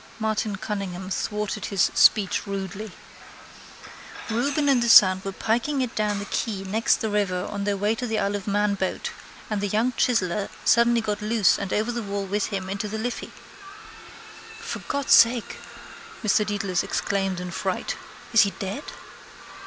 Martin Cunningham thwarted his speech rudely: —Reuben J and the son were piking it down the quay next the river on their way to the Isle of Man boat and the young chiseller suddenly got loose and over the wall with him into the Liffey. —For God's sake! Mr Dedalus exclaimed in fright. Is he dead?